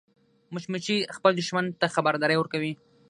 مچمچۍ خپل دښمن ته خبرداری ورکوي